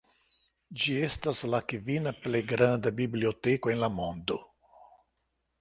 Ĝi estas la kvina plej granda biblioteko en la mondo.